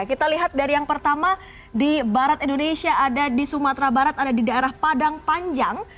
kita lihat dari yang pertama di barat indonesia ada di sumatera barat ada di daerah padang panjang